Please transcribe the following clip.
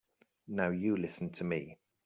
Now you listen to me.